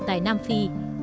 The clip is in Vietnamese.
tại nam phi